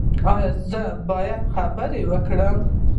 ایا زه باید خبرې وکړم؟